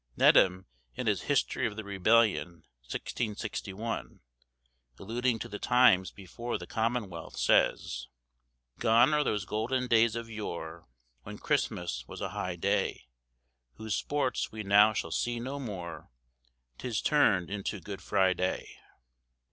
Nedham in his 'History of the Rebellion,' 1661, alluding to the times before the Commonwealth, says— "Gone are those golden days of yore, When Christmas was a high day; Whose sports we now shall see no more, 'Tis turn'd into Good Friday."